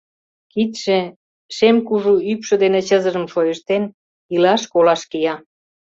Кидше, шем кужу ӱпшӧ дене чызыжым шойыштен, илаш-колаш кия.